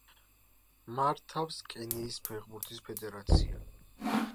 მართავს კენიის ფეხბურთის ფედერაცია.